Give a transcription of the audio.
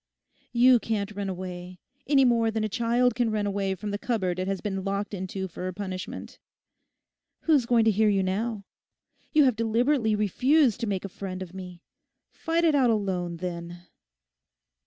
You can't run away, any more than a child can run away from the cupboard it has been locked into for a punishment. Who's going to hear you now? You have deliberately refused to make a friend of me. Fight it out alone, then!